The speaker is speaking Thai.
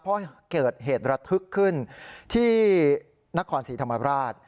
เพราะเกิดเหตุระทึกขึ้นที่นครศรีธรรมราช